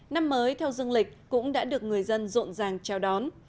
năm mới theo dương lịch cũng đã được người dân rộn ràng chào đón